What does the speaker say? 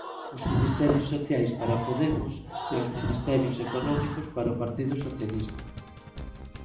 Os ministerios sociais para Podemos, e os ministerios económicos para o Partido Socialista.